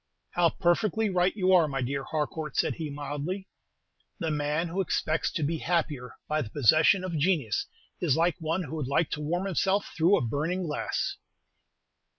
"How perfectly right you are, my dear Harcourt," said he, mildly. "The man who expects to be happier by the possession of genius is like one who would like to warm himself through a burning glass."